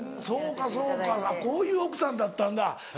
そうかそうかこういう奥さんだったんだ。